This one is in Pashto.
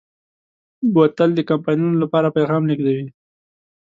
بوتل د کمپاینونو لپاره پیغام لېږدوي.